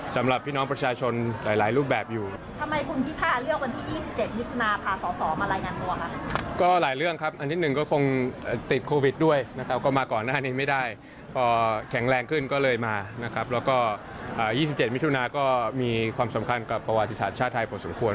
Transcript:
แล้วก็๒๗มิถุนายนก็มีความสำคัญกับประวัติศาสตร์ชาติไทยพอสมควร